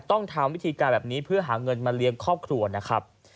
ต้องทำวิธีการแบบนี้เพื่อหาเงินมาเลี้ยงครอบครัวนะครับ